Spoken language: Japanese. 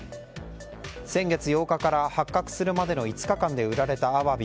先月８日から発覚するまでの５日間で売られたアワビ